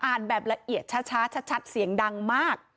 แบบละเอียดช้าชัดเสียงดังมาก